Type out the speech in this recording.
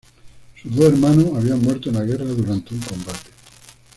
Sus dos hermanos habían muerto en la guerra durante un combate.